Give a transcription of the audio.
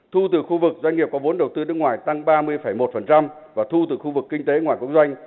thu từ khu vực doanh nghiệp có vốn đầu tư nước ngoài tăng ba mươi một và thu từ khu vực kinh tế ngoài công doanh